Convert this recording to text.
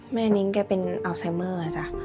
นิ้งแกเป็นอัลไซเมอร์นะจ๊ะ